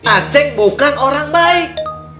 acing bukan orang baik